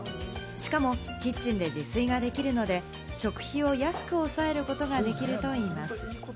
しかもキッチンで自炊ができるので、食費を安く抑えることができるといいます。